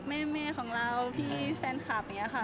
แม่ของเราพี่แฟนคลับอย่างนี้ค่ะ